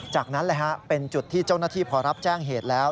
จากนั้นเป็นจุดที่เจ้าหน้าที่พอรับแจ้งเหตุแล้ว